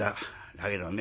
だけどね